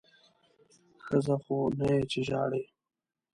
ښځه خو نه یې چې ژاړې!